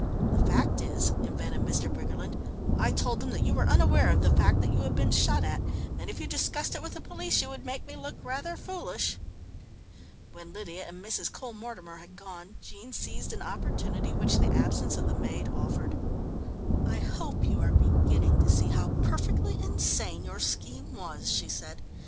The fact is," invented Mr. Briggerland, "I told them that you were unaware of the fact that you had been shot at, and if you discussed it with the police, you would make me look rather foolish." When Lydia and Mrs. Cole Mortimer had gone, Jean seized an opportunity which the absence of the maid offered. "I hope you are beginning to see how perfectly insane your scheme was," she said.